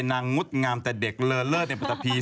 นางงุดงามแต่เด็กเลอเลิศในประตาภี